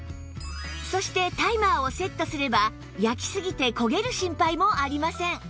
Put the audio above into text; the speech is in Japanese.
そしてタイマーをセットすれば焼きすぎて焦げる心配もありません